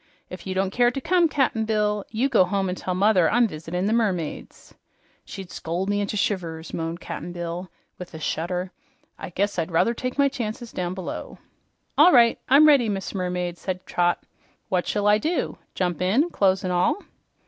If you don't care to come, Cap'n Bill, you go home and tell mother I'm visitin' the mermaids." "She'd scold me inter shivers!" moaned Cap'n Bill with a shudder. "I guess I'd ruther take my chance down below." "All right, I'm ready, Miss Mermaid," said Trot. "What shall I do? Jump in, clothes and all?"